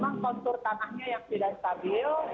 memang kontur tanahnya yang tidak stabil